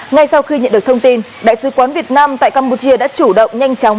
ngay sau khi nhận được thông tin đại sứ quán việt nam tại campuchia đã chủ động nhanh chóng